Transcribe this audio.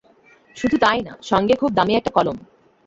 শুধু তাই না, সঙ্গে খুব দামী একটা কলম।